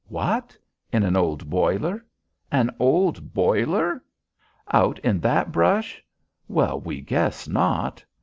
What? In an old boiler? An old boiler? Out in that brush? Well, we guess not."